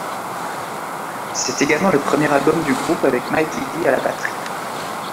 C'est également le premier album du groupe avec Mikkey Dee à la batterie.